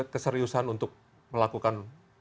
keseriusan untuk melakukan